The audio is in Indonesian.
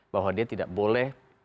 bahwa dia tidak boleh